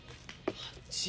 あっちい。